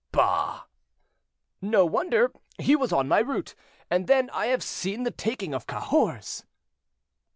"Bah!" "No wonder, he was on my route. And then I have seen the taking of Cahors."